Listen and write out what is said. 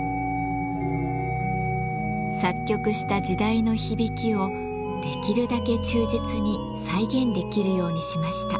作曲した時代の響きをできるだけ忠実に再現できるようにしました。